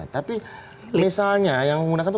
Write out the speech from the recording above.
tapi misalnya yang menggunakan itu